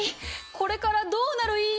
これからどうなるＥＵ？